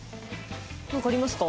何かありますか？